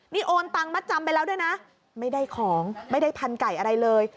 นี่โอนตังมัดจำไปแล้วด้วยนะไม่ได้ของไม่ได้พันไก่อะไรเลย